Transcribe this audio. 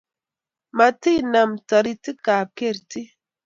Matinam toritikab kertii